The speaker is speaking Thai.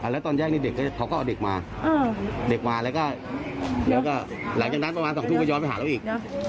แล้วตอนแรกนี่เด็กเขาก็เอาเด็กมาเด็กมาแล้วก็หลังจากนั้นประมาณ๒ทุ่มก็ย้อนไปหาเราอีกนะ